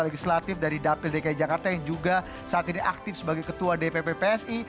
legislatif dari dapil dki jakarta yang juga saat ini aktif sebagai ketua dpp psi